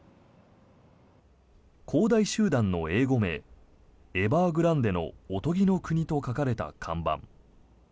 恒大集団の英語名エバーグランデのおとぎの国と書かれた看板。